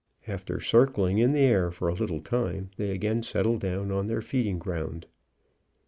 After circling in the air for a little time, they again settled down on their feeding ground.